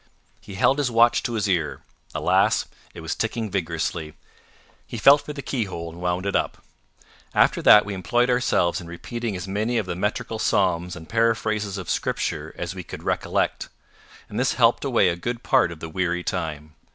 He held his watch to his ear: alas! it was ticking vigorously. He felt for the keyhole, and wound it up. After that we employed ourselves in repeating as many of the metrical psalms and paraphrases of Scripture as we could recollect, and this helped away a good part of the weary time.